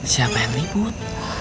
siapa yang ribut